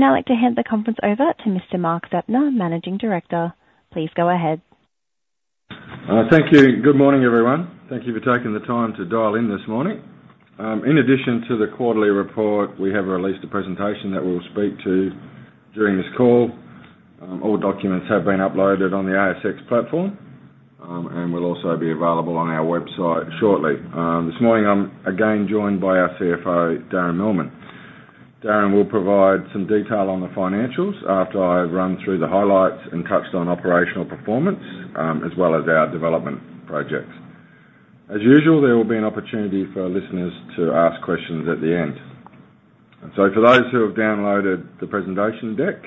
I'd now like to hand the conference over to Mr. Mark Zeptner, Managing Director. Please go ahead. Thank you. Good morning, everyone. Thank you for taking the time to dial in this morning. In addition to the quarterly report, we have released a presentation that we'll speak to during this call. All documents have been uploaded on the ASX platform, and will also be available on our website shortly. This morning, I'm again joined by our CFO, Darren Millman. Darren will provide some detail on the financials after I run through the highlights and touched on operational performance, as well as our development projects. As usual, there will be an opportunity for our listeners to ask questions at the end, and so for those who have downloaded the presentation deck,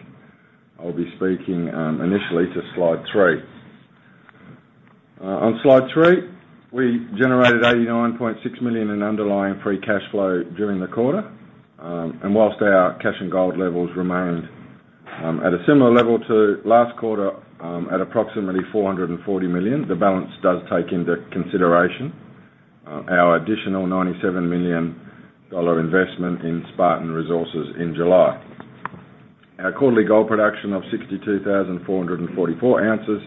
I'll be speaking, initially to slide three. On slide three, we generated 89.6 million in underlying free cash flow during the quarter. And while our cash and gold levels remained at a similar level to last quarter, at approximately 440 million, the balance does take into consideration our additional 97 million dollar investment in Spartan Resources in July. Our quarterly gold production of 62,444 ounces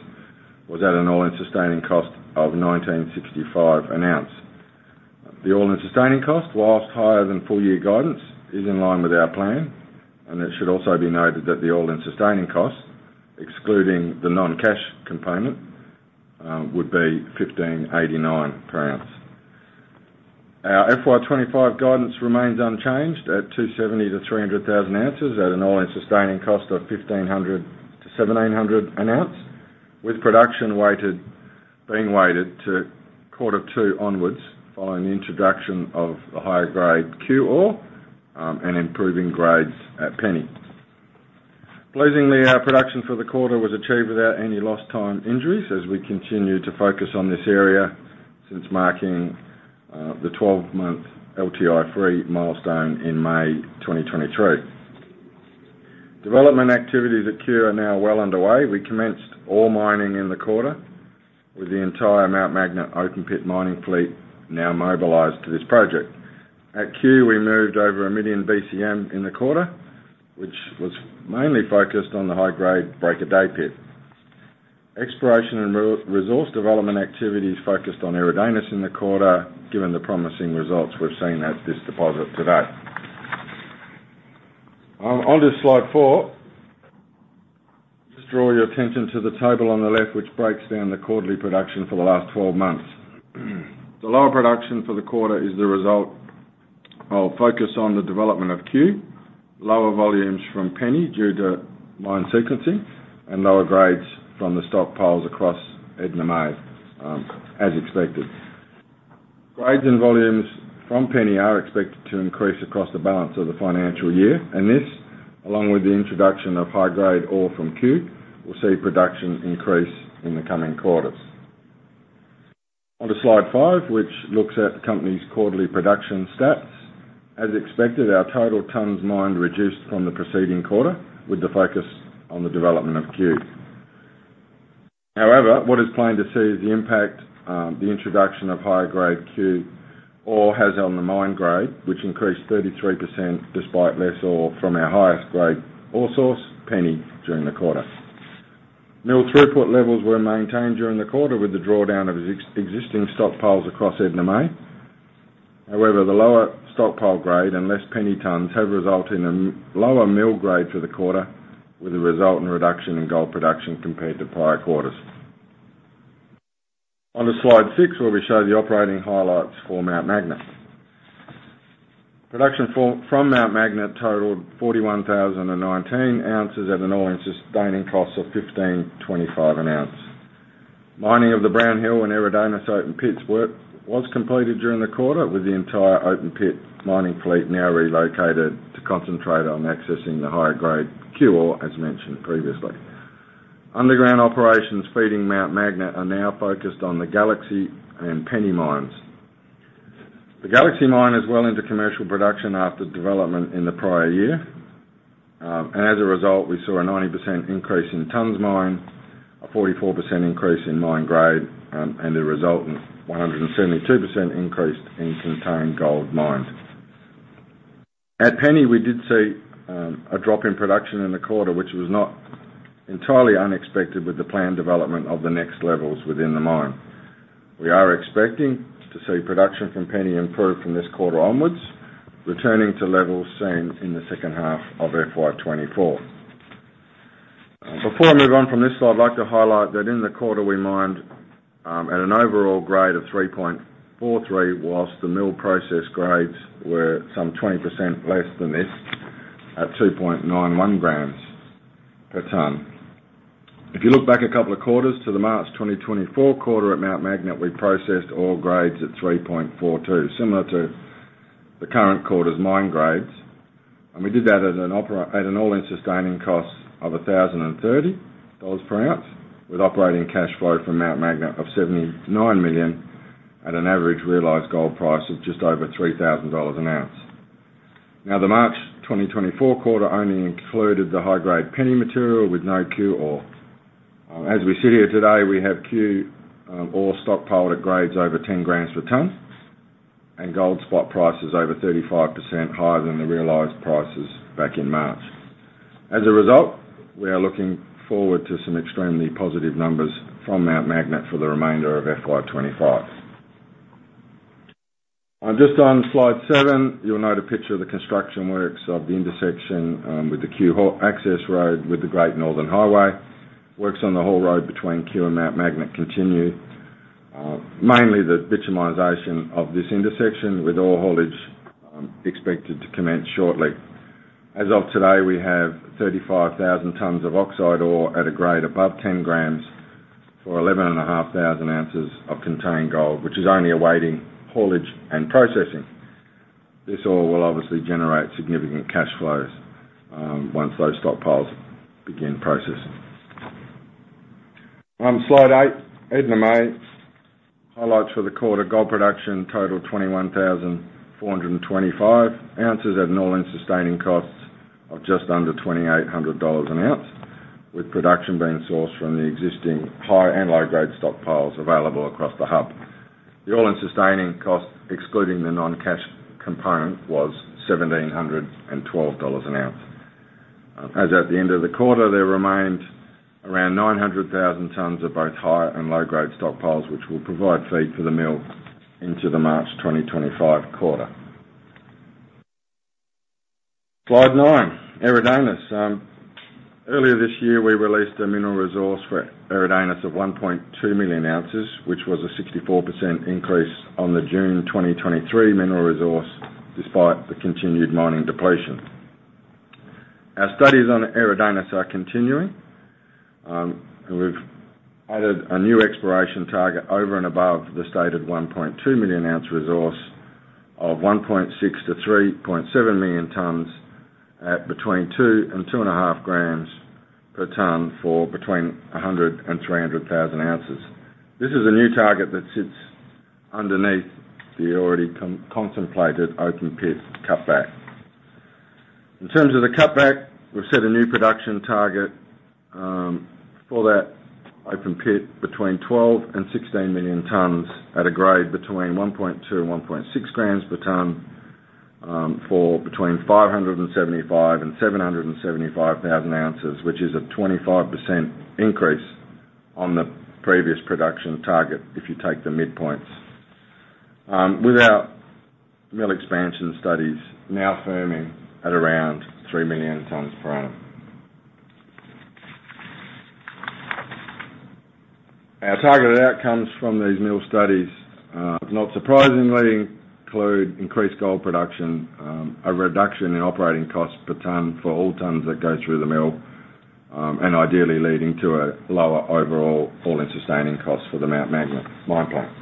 was at an all-in sustaining cost of 1,965 an ounce. The all-in sustaining cost, while higher than full year guidance, is in line with our plan, and it should also be noted that the all-in sustaining cost, excluding the non-cash component, would be 1,589 per ounce. Our FY 2025 guidance remains unchanged at 270-300 thousand ounces at an all-in sustaining cost of 1,500-1,700 an ounce, with production being weighted to quarter two onwards, following the introduction of the higher grade Cue ore, and improving grades at Penny. Pleasingly, our production for the quarter was achieved without any lost time injuries as we continue to focus on this area since marking the twelve-month LTI-free milestone in May 2023. Development activities at Cue are now well underway. We commenced ore mining in the quarter, with the entire Mount Magnet open pit mining fleet now mobilized to this project. At Cue, we moved over 1 million BCM in the quarter, which was mainly focused on the high-grade Break of Day pit. Exploration and resource development activities focused on Eridanus in the quarter, given the promising results we've seen at this deposit to date. Onto Slide four. Just draw your attention to the table on the left, which breaks down the quarterly production for the last twelve months. The lower production for the quarter is the result of focus on the development of Cue, lower volumes from Penny due to mine sequencing, and lower grades from the stockpiles across Edna May, as expected. Grades and volumes from Penny are expected to increase across the balance of the financial year, and this, along with the introduction of high-grade ore from Cue, will see production increase in the coming quarters. On to Slide five, which looks at the company's quarterly production stats. As expected, our total tons mined reduced from the preceding quarter, with the focus on the development of Cue. However, what is planned to see is the impact, the introduction of higher grade Cue ore has on the mine grade, which increased 33%, despite less ore from our highest grade ore source, Penny, during the quarter. Mill throughput levels were maintained during the quarter with the drawdown of existing stockpiles across Edna May. However, the lower stockpile grade and less Penny tonnes have resulted in a lower mill grade for the quarter, with a resultant reduction in gold production compared to prior quarters. On to Slide six, where we show the operating highlights for Mount Magnet. Production from Mount Magnet totaled 41,019 ounces at an all-in sustaining cost of 1,525 an ounce. Mining of the Brown Hill and Eridanus open pits work was completed during the quarter, with the entire open pit mining fleet now relocated to concentrate on accessing the higher grade Cue ore, as mentioned previously. Underground operations feeding Mount Magnet are now focused on the Galaxy and Penny mines. The Galaxy mine is well into commercial production after development in the prior year, and as a result, we saw a 90% increase in tonnes mined, a 44% increase in mine grade, and a resultant 172% increase in contained gold mined. At Penny, we did see a drop in production in the quarter, which was not entirely unexpected with the planned development of the next levels within the mine. We are expecting to see production from Penny improve from this quarter onwards, returning to levels seen in the second half of FY 2024. Before I move on from this, I'd like to highlight that in the quarter we mined at an overall grade of 3.43, while the mill process grades were some 20% less than this, at 2.91 grams per ton. If you look back a couple of quarters to the March 2024 quarter at Mount Magnet, we processed ore grades at 3.42, similar to the current quarter's mine grades. And we did that at an all-in sustaining cost of 1,030 dollars per ounce, with operating cash flow from Mount Magnet of 79 million, at an average realized gold price of just over 3,000 dollars an ounce. Now, the March 2024 quarter only included the high-grade Penny material with no Cue ore. As we sit here today, we have Cue ore stockpiled at grades over ten grams per tonne, and gold spot prices over 35% higher than the realized prices back in March. As a result, we are looking forward to some extremely positive numbers from Mount Magnet for the remainder of FY twenty-five. Just on Slide seven, you'll note a picture of the construction works of the intersection with the Cue access road, with the Great Northern Highway. Works on the whole road between Cue and Mount Magnet continue, mainly the bituminization of this intersection, with ore haulage expected to commence shortly. As of today, we have 35,000 tons of oxide ore at a grade above 10 grams for 11,500 ounces of contained gold, which is only awaiting haulage and processing. This ore will obviously generate significant cash flows once those stockpiles begin processing. On Slide 8, Edna May. Highlights for the quarter: gold production totaled 21,425 ounces at an all-in sustaining costs of just under 2,800 dollars an ounce, with production being sourced from the existing high and low-grade stockpiles available across the hub. The all-in sustaining cost, excluding the non-cash component, was 1,712 dollars an ounce. As at the end of the quarter, there remained around 900,000 tons of both high and low-grade stockpiles, which will provide feed for the mill into the March 2025 quarter. Slide nine, Eridanus. Earlier this year, we released a mineral resource for Eridanus of 1.2 million ounces, which was a 64% increase on the June 2023 mineral resource, despite the continued mining depletion. Our studies on Eridanus are continuing. And we've added a new exploration target over and above the stated 1.2 million ounce resource of 1.6-3.7 million tons at between 2 grams per ton-2.5 grams per ton, for between 100 thousand ounces-300 thousand ounces. This is a new target that sits underneath the already contemplated open pit cutback. In terms of the cutback, we've set a new production target for that open pit between 12 and 16 million tons at a grade between 1.2 grams per ton-1.6 grams per ton for between 575 thousand ounces-775 thousand ounces, which is a 25% increase on the previous production target, if you take the midpoints. With our mill expansion studies now firming at around 3 million tons per annum. Our targeted outcomes from these mill studies, not surprisingly, include increased gold production, a reduction in operating costs per ton for all tons that go through the mill, and ideally leading to a lower overall all-in sustaining cost for the Mount Magnet mine plant.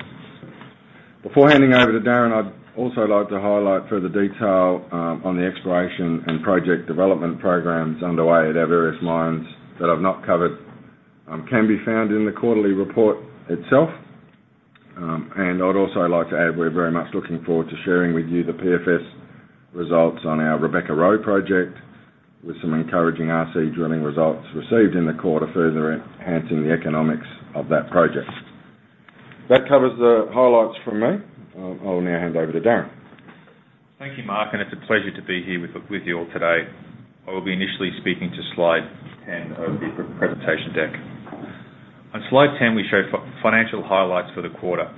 Before handing over to Darren, I'd also like to highlight further detail on the exploration and project development programs underway at our various mines that I've not covered, which can be found in the quarterly report itself. I'd also like to add, we're very much looking forward to sharing with you the PFS results on our Rebecca Roe project, with some encouraging RC drilling results received in the quarter, further enhancing the economics of that project. That covers the highlights from me. I'll now hand over to Darren. Thank you, Mark, and it's a pleasure to be here with you all today. I will be initially speaking to Slide 10 of the presentation deck. On Slide 10, we show financial highlights for the quarter.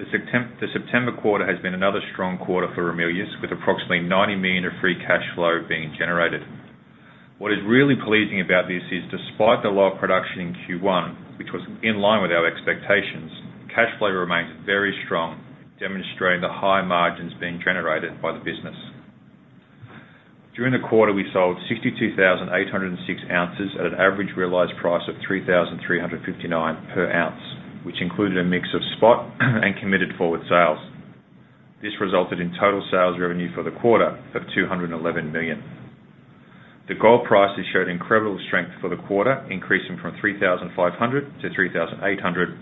The September quarter has been another strong quarter for Ramelius, with approximately 90 million of free cash flow being generated. What is really pleasing about this is, despite the lower production in Q1, which was in line with our expectations, cash flow remains very strong, demonstrating the high margins being generated by the business. During the quarter, we sold 62,806 ounces at an average realized price of 3,359 per ounce, which included a mix of spot and committed forward sales. This resulted in total sales revenue for the quarter of 211 million. The gold prices showed incredible strength for the quarter, increasing from 3,500 to 3,800,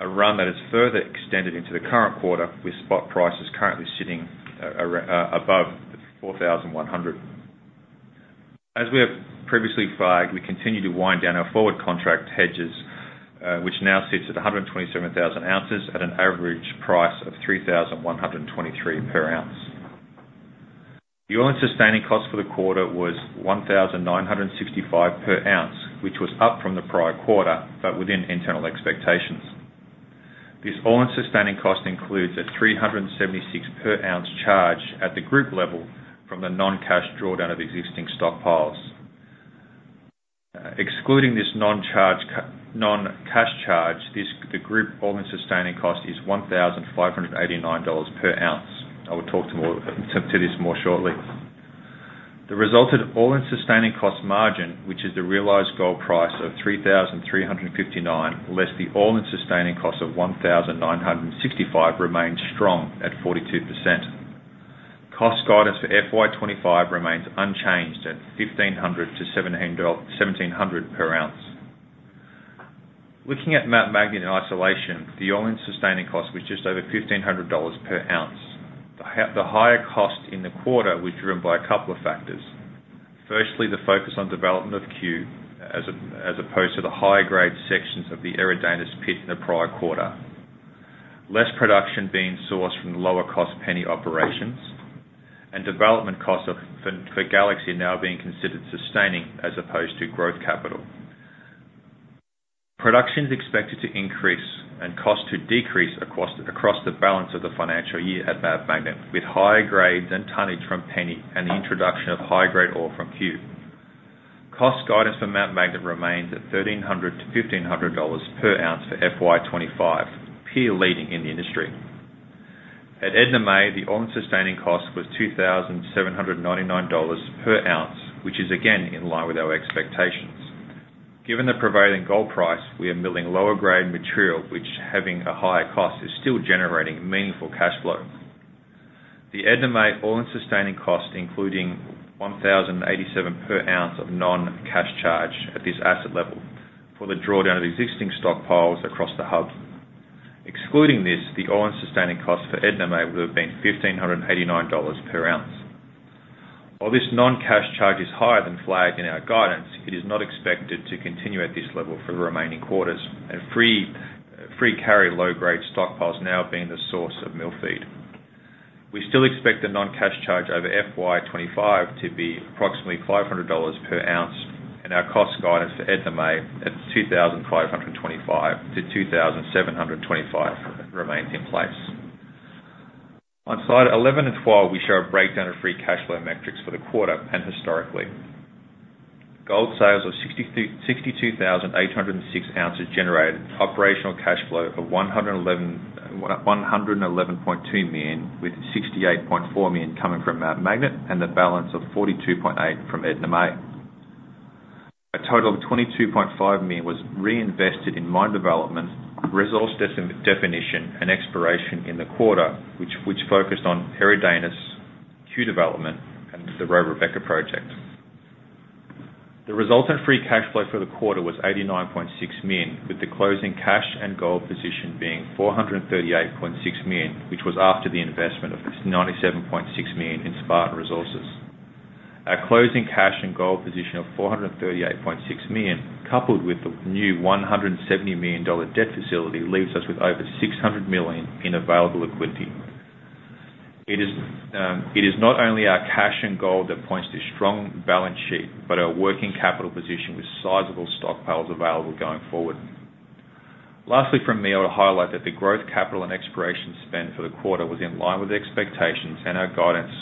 a run that has further extended into the current quarter, with spot prices currently sitting around above 4,100. As we have previously flagged, we continue to wind down our forward contract hedges, which now sits at 127,000 ounces at an average price of 3,123 per ounce. The all-in sustaining cost for the quarter was 1,965 per ounce, which was up from the prior quarter, but within internal expectations. This all-in sustaining cost includes a 376 per ounce charge at the group level from the non-cash drawdown of existing stockpiles. Excluding this non-cash charge, the group all-in sustaining cost is 1,589 dollars per ounce. I will talk more to this more shortly. The resulted all-in sustaining cost margin, which is the realized gold price of 3,359, less the all-in sustaining cost of 1,965, remains strong at 42%. Cost guidance for FY 2025 remains unchanged at 1,500-1,700 per ounce. Looking at Mount Magnet in isolation, the all-in sustaining cost was just over 1,500 dollars per ounce. The higher cost in the quarter were driven by a couple of factors. Firstly, the focus on development of Q, as opposed to the higher grade sections of the Eridanus pit in the prior quarter. Less production being sourced from the lower cost Penny operations, and development costs for Galaxy now being considered sustaining as opposed to growth capital. Production is expected to increase and cost to decrease across the balance of the financial year at Mount Magnet, with higher grades and tonnage from Penny and the introduction of high-grade ore from Cue. Cost guidance for Mount Magnet remains at AUD 1,300-AUD 1,500 per ounce for FY 2025, peer leading in the industry. At Edna May, the all-in sustaining cost was 2,799 dollars per ounce, which is again in line with our expectations. Given the prevailing gold price, we are milling lower grade material, which, having a higher cost, is still generating meaningful cash flow. The Edna May all-in sustaining cost, including 1,087 per ounce of non-cash charge at this asset level, for the drawdown of existing stockpiles across the hub. Excluding this, the all-in sustaining cost for Edna May would have been 1,589 dollars per ounce. While this non-cash charge is higher than flagged in our guidance, it is not expected to continue at this level for the remaining quarters, and free carry low-grade stockpiles now being the source of mill feed. We still expect a non-cash charge over FY 2025 to be approximately 500 dollars per ounce, and our cost guidance for Edna May at 2,525-2,725 remains in place. On slides 11 and 12, we show a breakdown of free cash flow metrics for the quarter and historically. Gold sales of 62,806 ounces generated operational cash flow of 111.2 million, with 68.4 million coming from Mount Magnet, and the balance of 42.8 million from Edna May. A total of 22.5 million was reinvested in mine development, resource definition, and exploration in the quarter, which focused on Eridanus, Cue development, and the Roe Rebecca project. The resultant free cash flow for the quarter was 89.6 million, with the closing cash and gold position being 438.6 million, which was after the investment of 97.6 million in Spartan Resources. Our closing cash and gold position of 438.6 million, coupled with the new 170 million dollar debt facility, leaves us with over 600 million in available liquidity. It is, it is not only our cash and gold that points to strong balance sheet, but our working capital position with sizable stockpiles available going forward. Lastly, from me, I would highlight that the growth capital and exploration spend for the quarter was in line with expectations, and our guidance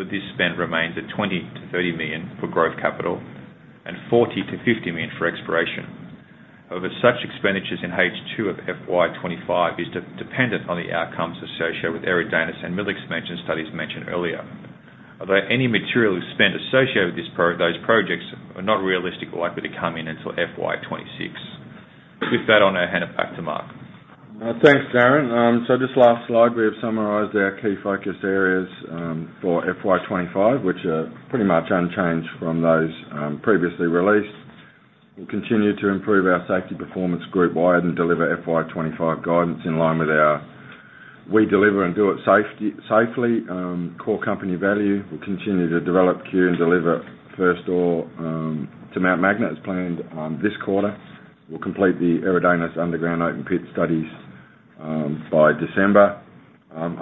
for this spend remains at 20-30 million for growth capital and 40-50 million for exploration. However, such expenditures in H2 of FY 2025 is dependent on the outcomes associated with Eridanus and mill expansion studies mentioned earlier. Although any material spend associated with those projects are not realistic or likely to come in until FY 2026. With that, I'm going to hand it back to Mark. Thanks, Darren. So this last slide, we have summarized our key focus areas for FY twenty-five, which are pretty much unchanged from those previously released. We'll continue to improve our safety performance group wide and deliver FY twenty-five guidance in line with our "We deliver and do it safety, safely," core company value. We'll continue to develop Cue and deliver first ore to Mount Magnet, as planned, this quarter. We'll complete the Eridanus underground open pit studies by December,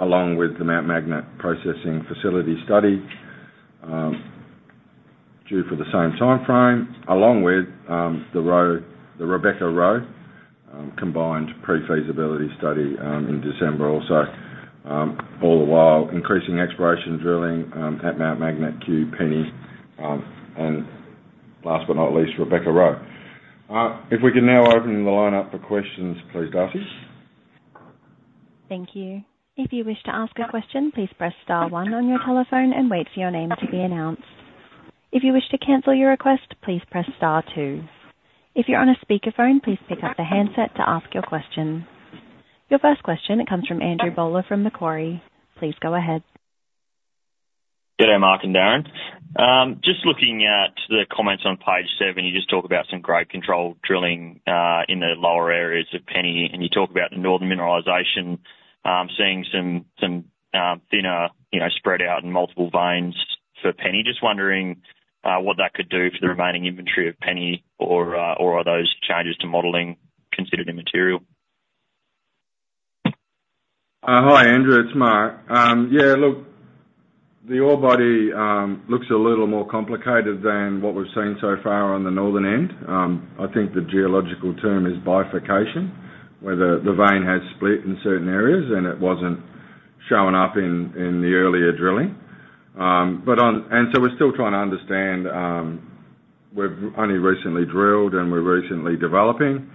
along with the Mount Magnet processing facility study due for the same timeframe, along with the Roe, the Rebecca Roe, combined pre-feasibility study in December also. All the while, increasing exploration drilling at Mount Magnet, Q, Penny, and last but not least, Rebecca Roe. If we can now open the line up for questions, please, Darcy? Thank you. If you wish to ask a question, please press star one on your telephone and wait for your name to be announced. If you wish to cancel your request, please press star two. If you're on a speakerphone, please pick up the handset to ask your question. Your first question, it comes from Andrew Bowler from Macquarie. Please go ahead. Good day, Mark and Darren. Just looking at the comments on page seven, you just talk about some grade control drilling in the lower areas of Penny, and you talk about the northern mineralization, seeing some thinner, you know, spread out in multiple veins for Penny. Just wondering, what that could do for the remaining inventory of Penny, or are those changes to modeling considered immaterial? Hi, Andrew, it's Mark. Yeah, look, the ore body looks a little more complicated than what we've seen so far on the northern end. I think the geological term is bifurcation, where the vein has split in certain areas, and it wasn't showing up in the earlier drilling. But and so we're still trying to understand, we've only recently drilled, and we're recently developing,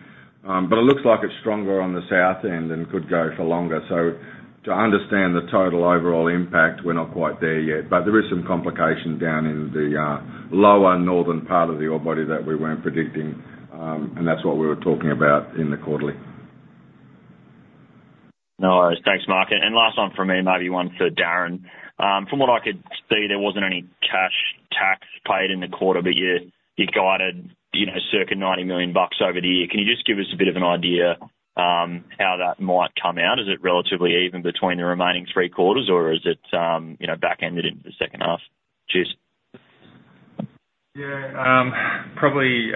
but it looks like it's stronger on the south end and could go for longer. So to understand the total overall impact, we're not quite there yet, but there is some complication down in the lower northern part of the ore body that we weren't predicting, and that's what we were talking about in the quarterly. No worries. Thanks, Mark. And last one from me, maybe one for Darren. From what I could see, there wasn't any cash tax paid in the quarter, but you guided, you know, circa 90 million bucks over the year. Can you just give us a bit of an idea? How that might come out. Is it relatively even between the remaining three quarters or is it, you know, back-ended into the second half? Cheers. Yeah, probably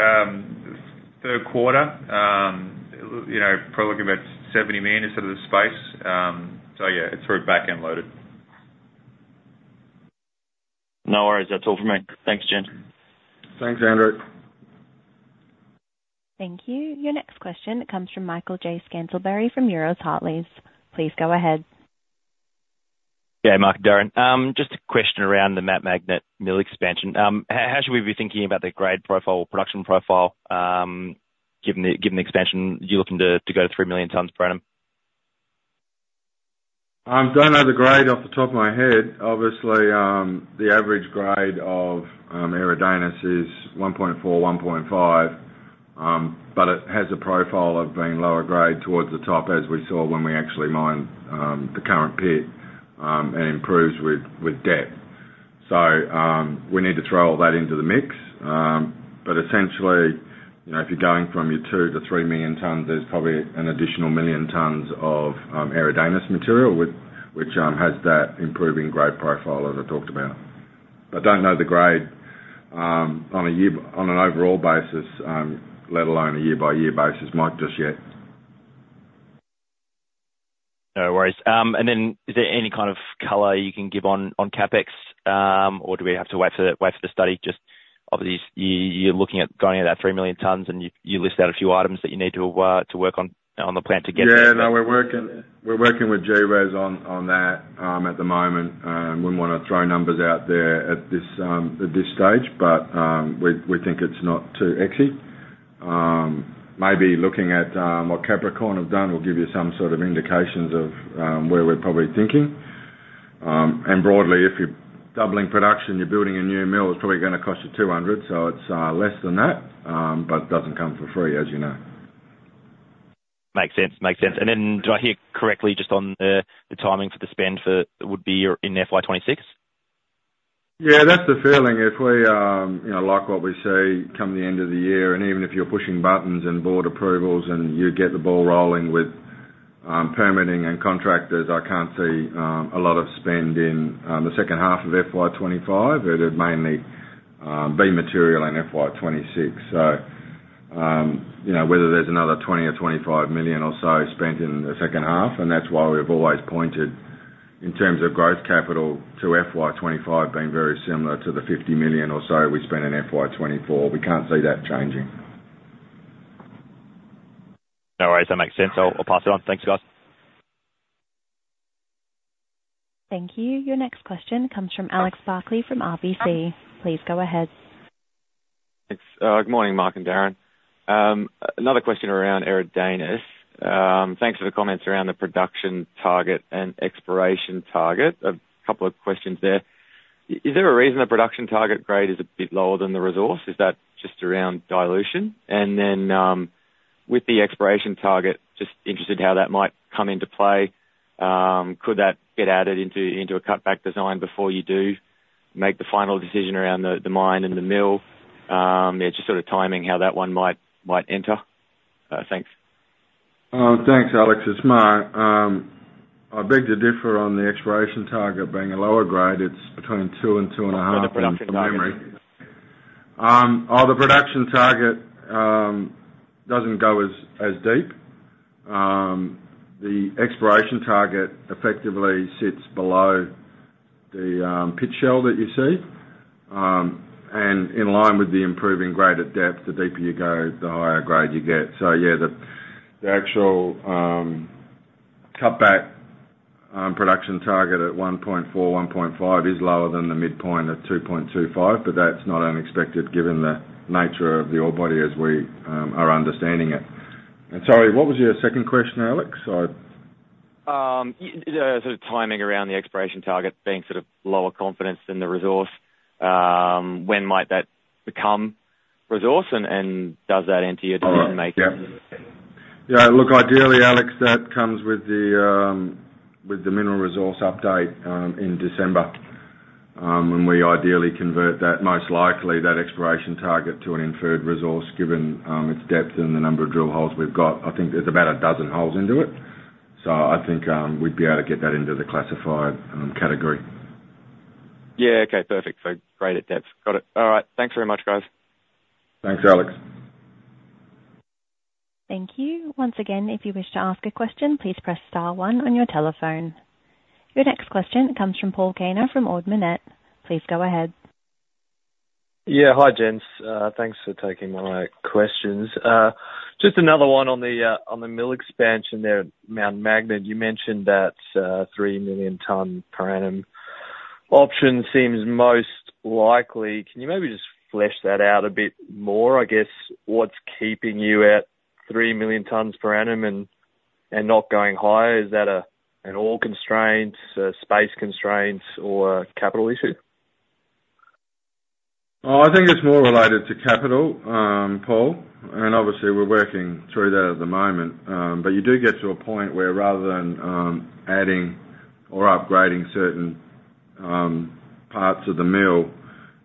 third quarter. You know, probably about 70 million is sort of the space. So yeah, it's sort of back-end loaded. No worries. That's all for me. Thanks, gents. Thanks, Andrew. Thank you. Your next question comes from Michael J. Scantlebury from Euroz Hartleys. Please go ahead. Yeah, Mark, Darren. Just a question around the Mount Magnet mill expansion. How should we be thinking about the grade profile, production profile, given the expansion you're looking to go to three million tons per annum? Don't know the grade off the top of my head. Obviously, the average grade of Eridanus is 1.4, 1.5, but it has a profile of being lower grade towards the top, as we saw when we actually mined the current pit, and improves with depth, so we need to throw all that into the mix, but essentially, you know, if you're going from your two to three million tons, there's probably an additional million tons of Eridanus material, which has that improving grade profile as I talked about. I don't know the grade on an overall basis, let alone a year-by-year basis, Mike, just yet. No worries. And then is there any kind of color you can give on CapEx, or do we have to wait for the study? Just obviously, you're looking at going at about three million tons, and you list out a few items that you need to work on the plant to get there. Yeah, no, we're working with GRES on that at the moment. We wouldn't want to throw numbers out there at this stage, but we think it's not too exy. Maybe looking at what Capricorn have done will give you some sort of indications of where we're probably thinking, and broadly, if you're doubling production, you're building a new mill, it's probably gonna cost you 200, so it's less than that, but it doesn't come for free, as you know. Makes sense. Makes sense. And then do I hear correctly just on the timing for the spend for-- would be in FY 2026? Yeah, that's the feeling. If we, you know, like what we see come the end of the year, and even if you're pushing buttons and board approvals, and you get the ball rolling with, permitting and contractors, I can't see, a lot of spend in, the second half of FY 2025. It would mainly, be material in FY 2026. So, you know, whether there's another 20 or 25 million or so spent in the second half, and that's why we've always pointed in terms of growth capital to FY 2025 being very similar to the 50 million or so we spent in FY 2024. We can't see that changing. No worries. That makes sense. I'll, I'll pass it on. Thanks, guys. Thank you. Your next question comes from Alex Barclay from RBC. Please go ahead. Thanks. Good morning, Mark and Darren. Another question around Eridanus. Thanks for the comments around the production target and exploration target. A couple of questions there. Is there a reason the production target grade is a bit lower than the resource? Is that just around dilution? And then, with the exploration target, just interested how that might come into play. Could that get added into a cutback design before you do make the final decision around the mine and the mill? Yeah, just sort of timing how that one might enter. Thanks. Thanks, Alex. It's Mark. I beg to differ on the exploration target being a lower grade. It's between two and two and a half- For the production target. Oh, the production target doesn't go as deep. The exploration target effectively sits below the pit shell that you see. And in line with the improving grade at depth, the deeper you go, the higher grade you get. So yeah, the actual cutback production target at 1.4, 1.5 is lower than the midpoint at 2.25, but that's not unexpected given the nature of the ore body as we are understanding it. And sorry, what was your second question, Alex? Sort of timing around the exploration target being sort of lower confidence than the resource. When might that become resource, and does that enter your decision making? All right. Yeah. Yeah, look, ideally, Alex, that comes with the mineral resource update in December. When we ideally convert that, most likely, that exploration target to an inferred resource, given its depth and the number of drill holes we've got. I think there's about a dozen holes into it. So I think we'd be able to get that into the classified category. Yeah, okay, perfect. So grade at depth. Got it. All right. Thanks very much, guys. Thanks, Alex. Thank you. Once again, if you wish to ask a question, please press star one on your telephone. Your next question comes from Paul Kaner, from Ord Minnett. Please go ahead. Yeah, hi, gents. Thanks for taking my questions. Just another one on the mill expansion there at Mount Magnet. You mentioned that three million ton per annum option seems most likely. Can you maybe just flesh that out a bit more? I guess, what's keeping you at three million tons per annum and not going higher? Is that an ore constraint, a space constraint, or a capital issue? I think it's more related to capital, Paul, and obviously we're working through that at the moment. But you do get to a point where, rather than, adding or upgrading certain parts of the mill,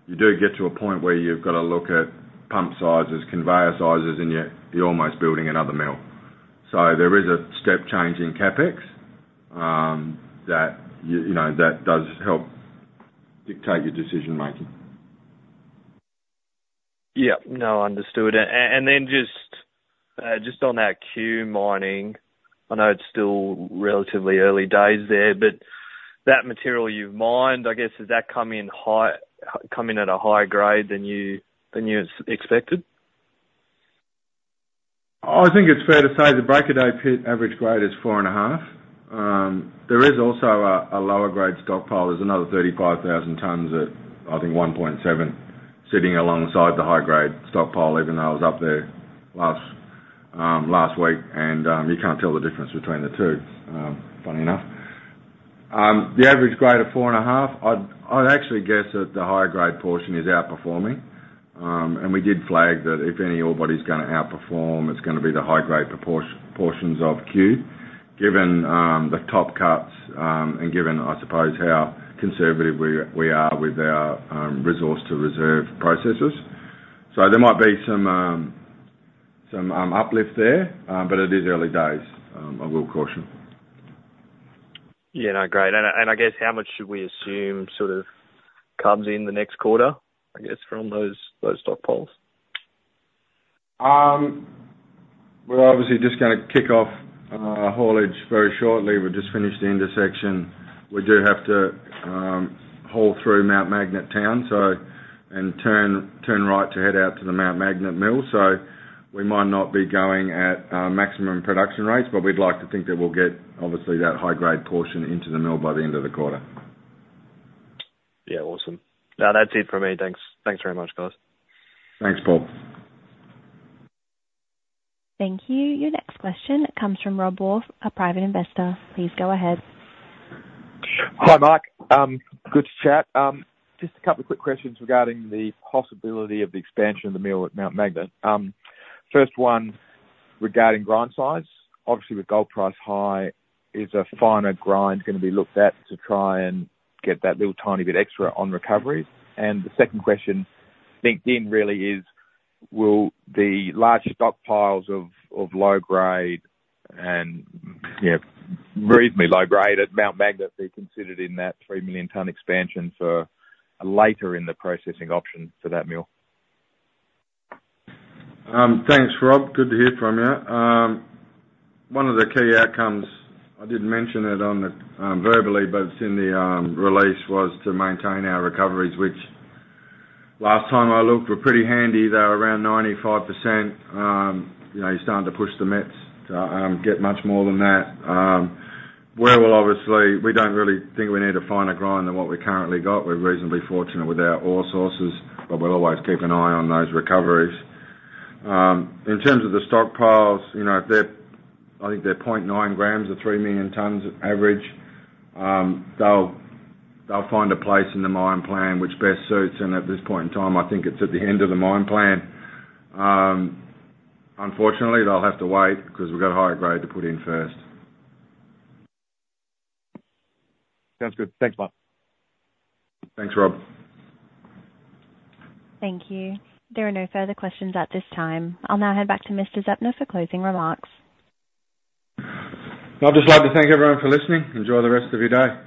you do get to a point where you've got to look at pump sizes, conveyor sizes, and you're almost building another mill. So there is a step change in CapEx, that you know, that does help dictate your decision making. Yeah. No, understood. And then just on that Cue mining, I know it's still relatively early days there, but that material you've mined, I guess, does that come in at a higher grade than you expected? I think it's fair to say the Break of Day pit average grade is four and a half. There is also a lower grade stockpile. There's another thirty-five thousand tons at, I think, one point seven sitting alongside the high grade stockpile, even though I was up there last week, and you can't tell the difference between the two, funny enough. The average grade of four and a half, I'd actually guess that the higher grade portion is outperforming. And we did flag that if any ore body's gonna outperform, it's gonna be the high grade portions of Cue. Given the top cuts, and given, I suppose, how conservative we are with our resource to reserve processes. So there might be some uplift there, but it is early days, I will caution. Yeah, no, great. And I guess how much should we assume sort of comes in the next quarter, I guess, from those stockpiles? We're obviously just gonna kick off haulage very shortly. We've just finished the intersection. We do have to haul through Mount Magnet town, so, and turn right to head out to the Mount Magnet mill. So we might not be going at maximum production rates, but we'd like to think that we'll get obviously that high grade portion into the mill by the end of the quarter. Yeah. Awesome. Now, that's it for me. Thanks. Thanks very much, guys. Thanks, Paul. Thank you. Your next question comes from Rob Wolf, a private investor. Please go ahead. Hi, Mike. Good to chat. Just a couple of quick questions regarding the possibility of the expansion of the mill at Mount Magnet. First one, regarding grind size. Obviously, with gold price high, is a finer grind gonna be looked at to try and get that little tiny bit extra on recovery? And the second question, linked in really is: Will the large stockpiles of low grade and, you know, reasonably low grade at Mount Magnet, be considered in that three million ton expansion for a later in the processing option for that mill? Thanks, Rob. Good to hear from you. One of the key outcomes, I didn't mention it verbally, but it's in the release, was to maintain our recoveries, which last time I looked were pretty handy. They were around 95%. You know, you're starting to push the mets to get much more than that. We will obviously. We don't really think we need a finer grind than what we currently got. We're reasonably fortunate with our ore sources, but we'll always keep an eye on those recoveries. In terms of the stockpiles, you know, I think they're point nine grams or three million tons average. They'll find a place in the mine plan which best suits, and at this point in time, I think it's at the end of the mine plan. Unfortunately, they'll have to wait because we've got a higher grade to put in first. Sounds good. Thanks, Mike. Thanks, Rob. Thank you. There are no further questions at this time. I'll now hand back to Mr. Zeptner for closing remarks. I'd just like to thank everyone for listening. Enjoy the rest of your day.